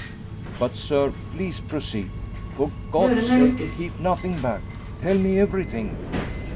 "But, sir; please proceed! For God's sake, keep nothing back tell me everything!"